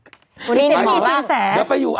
วันนี้เป็นหมอหรือเปลี่ยนสินแสหรือเดี๋ยวไปอยู่